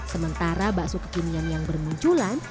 sementara bakso kekinian yang bermunculan